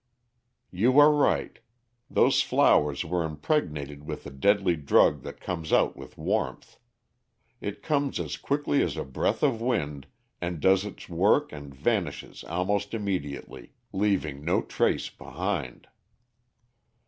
"You are right. Those flowers were impregnated with the deadly drug that comes out with warmth. It comes as quickly as a breath of wind and does its work and vanishes almost immediately, leaving no trace behind.